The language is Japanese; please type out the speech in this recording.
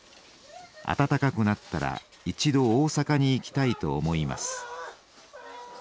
暖かくなったら一度大阪に行きたいと思います」。